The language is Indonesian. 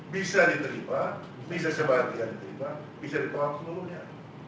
bisa diterima bisa sebagian diterima bisa ditolak seluruhnya